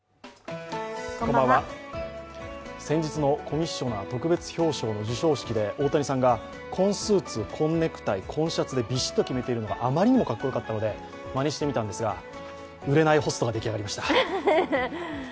先日のコミッショナー特別表彰の授賞式で、大谷さんが紺スーツ、紺ネクタイでびしっと決めているのがあまりにも印象的でまねしてみたんですが、売れないホストができ上がりました。